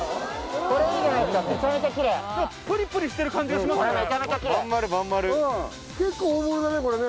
プリプリしてる感じがしますね。